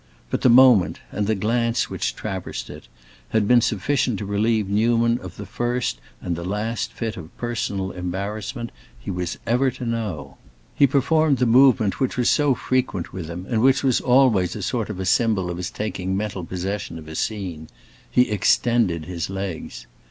But the moment, and the glance which traversed it, had been sufficient to relieve Newman of the first and the last fit of personal embarrassment he was ever to know. He performed the movement which was so frequent with him, and which was always a sort of symbol of his taking mental possession of a scene—he extended his legs.